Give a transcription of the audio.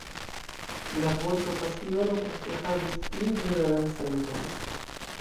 La vorto pasiono poste havis pli ĝeneralan sencon.